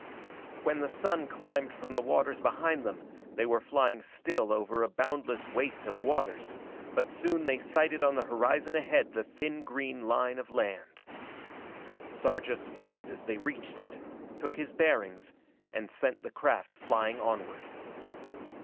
When the sun climbed from the waters behind them they were flying still over a boundless waste of waters, but soon they sighted on the horizon ahead the thin green line of land. Sarja slowed as they reached it, took his bearings, and sent the craft flying onward.